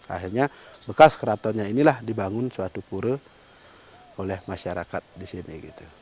akhirnya bekas keratonnya inilah dibangun suatu pura oleh masyarakat di sini